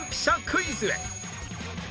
クイズへ